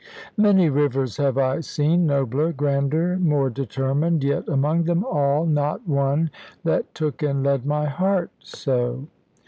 Many rivers have I seen, nobler, grander, more determined, yet among them all not one that took and led my heart so.